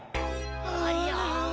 ありゃ。